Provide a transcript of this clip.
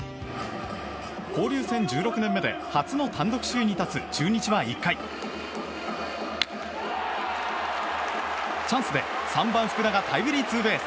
交流戦１６年目で初の単独首位に立つ中日は１回チャンスで３番、福田がタイムリーツーベース。